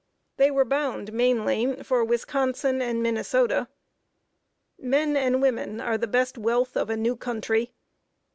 They were bound, mainly, for Wisconsin and Minnesota. Men and women are the best wealth of a new country.